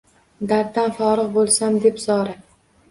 Darddan forigʼ boʼlsam deb zora